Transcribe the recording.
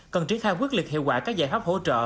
cần triển khai quyết liệt hiệu quả các giải pháp hỗ trợ